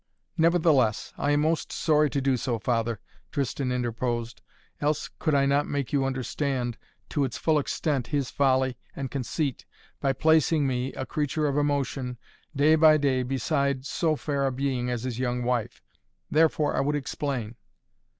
"Nevertheless I am most sorry to do so, father," Tristan interposed, "else could I not make you understand to its full extent his folly and conceit by placing me, a creature of emotion, day by day beside so fair a being as his young wife. Therefore I would explain."